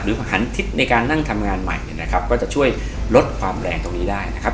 หันทิศในการนั่งทำงานใหม่เนี่ยนะครับก็จะช่วยลดความแรงตรงนี้ได้นะครับ